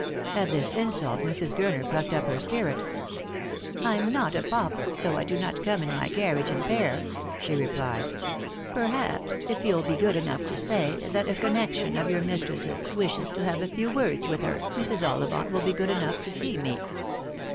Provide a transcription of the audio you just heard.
At this insult Mrs. Gurner plucked up her spirit. " I'm not a pauper, though I do not come in my carriage and pair," she replied. " Perhaps if you'll be good enough to say that a connection of your mistress's wishes to have a few words witli her, Mrs. Ollivant will be good enough to see me."